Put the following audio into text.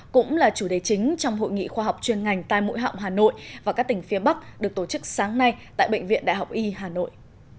cũng là chủ đề chính trong hội nghị khoa học chuyên ngành tai mũi họng hà nội và các tỉnh phía bắc được tổ chức sáng nay tại bệnh viện đại học y hà nội